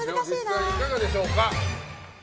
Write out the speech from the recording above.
実際いかがでしょうか？